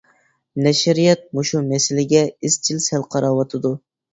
نەشرىيات مۇشۇ مەسىلىگە ئىزچىل سەل قاراۋاتىدۇ.